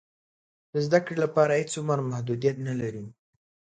د زده کړې لپاره هېڅ عمر محدودیت نه لري.